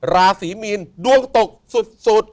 ราศีมีนดวงตกสุด